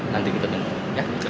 nanti kita dengar